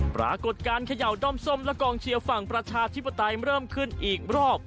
ปรากฏการณเขย่าด้อมส้มและกองเชียร์ฝั่งประชาธิปไตยเริ่มขึ้นอีกรอบ